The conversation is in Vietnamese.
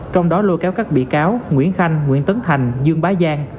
trong đó lôi kéo các bị cáo nguyễn khanh nguyễn tấn thành dương bá giang